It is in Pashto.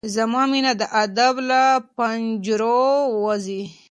زما مينه د ادب له پنجرو وځي